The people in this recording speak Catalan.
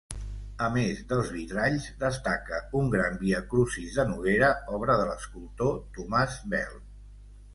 A més dels vitralls, destaca un gran viacrucis de noguera, obra de l'escultor Tomàs Bel.